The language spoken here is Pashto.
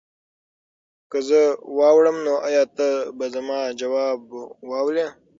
که زه واوړم نو ایا ته به زما ځواب واورې؟